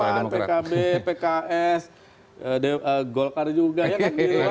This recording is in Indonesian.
pan pkb pks golkar juga ya kan